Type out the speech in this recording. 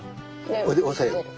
それで押さえる。